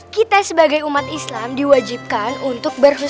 kita sebagai umat islam diwajibkan untuk memilih drone